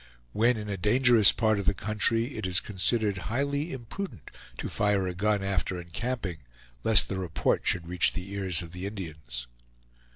When in a dangerous part of the country, it is considered highly imprudent to fire a gun after encamping, lest the report should reach the ears of the Indians.